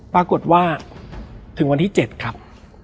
ปรากฏว่าถึงวันที่๗ครับ